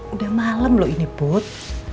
udah malam loh ini bud